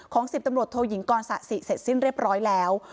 ๑๐ตำรวจโทยิงกรสะสิเสร็จสิ้นเรียบร้อยแล้ว